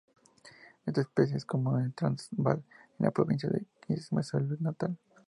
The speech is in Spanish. Esta especie es común en el Transvaal y la provincia de KwaZulu-Natal.